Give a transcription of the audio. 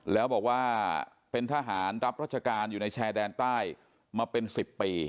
แล้วบอกว่าเป็นทหารรับราชการอยู่ในชายแดนใต้มาเป็น๑๐ปี